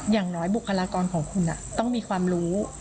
อย่างน้อยบุคลากรของคุณต้องมีความรู้